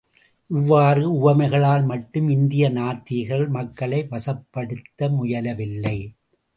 இவ்வாறு உவமைகளால் மட்டும் இந்திய நாத்திகர்கள் மக்களை வசப்படுத்த முயலவில்லை.